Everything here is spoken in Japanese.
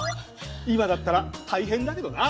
今だったら大変だけどな。